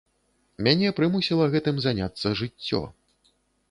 Мяне прымусіла гэтым заняцца жыццё.